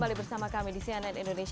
tadi ada langkah monitoring dan evaluasi